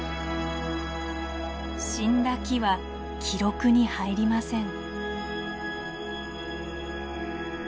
死んだ木は記録に入りません。